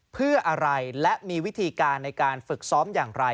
เพื่ออะไรและมีวิธีการในการฝึกซ้อมอย่างไร